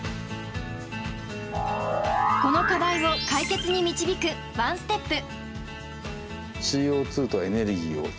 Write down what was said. この課題を解決に導くワンステップ